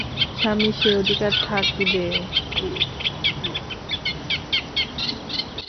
স্বামীর সে অধিকার থাকিবে বই কি!